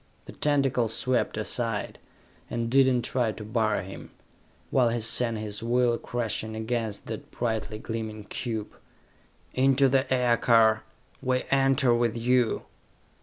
The tentacle swept aside, and did not try to bar him, while he sent his will crashing against that brightly gleaming cube. "Into the aircar! We enter with you!"